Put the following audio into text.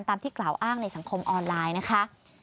ตามที่กล่าวอ้างในสังคมออนไลน์นะคะ